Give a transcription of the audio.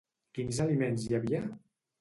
Quins aliments hi havia?